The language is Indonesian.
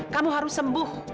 kamu harus sembuh